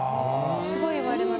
すごい言われます。